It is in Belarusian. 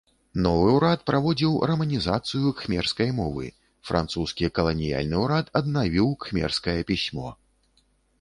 Новы ўрад праводзіў раманізацыю кхмерскай мовы, французскі каланіяльны ўрад аднавіў кхмерскае пісьмо.